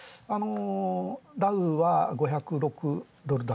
ダウは、５０６ドル高